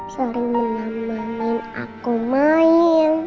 selalu menemani aku main